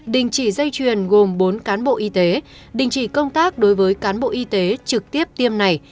đình chỉ dây chuyền gồm bốn cán bộ y tế đình chỉ công tác đối với cán bộ y tế trực tiếp tiêm này